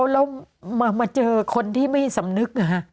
เรามาเจอคนที่ไม่สำนึกนะคะ